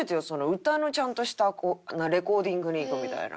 歌のちゃんとしたレコーディングに行くみたいな。